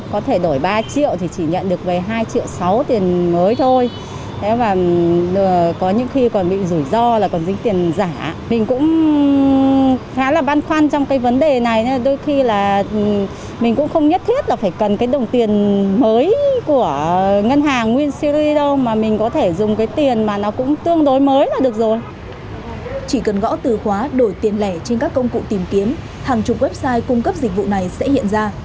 chỉ cần gõ từ khóa đổi tiền lẻ trên các công cụ tìm kiếm hàng chục website cung cấp dịch vụ này sẽ hiện ra